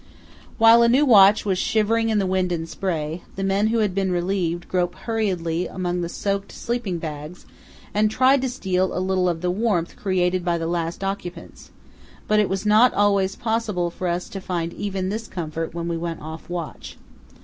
While a new watch was shivering in the wind and spray, the men who had been relieved groped hurriedly among the soaked sleeping bags and tried to steal a little of the warmth created by the last occupants; but it was not always possible for us to find even this comfort when we went off watch.